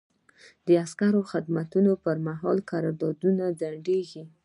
د عسکري خدمت پر مهال قرارداد ځنډیږي.